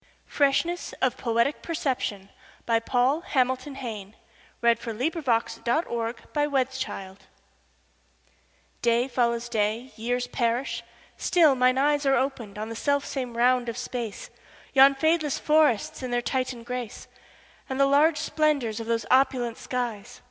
Freshness of Poetic Perception Paul Hamilton Hayne (1830–1886) DAY follows day; years perish; still mine eyesAre opened on the self same round of space; Yon fadeless forests in their Titan grace, And the large splendors of those opulent skies.